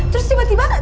terus tiba tiba